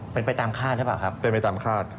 เป็นไปตามฆาตใช่เปล่าครับเป็นไปตามฆาต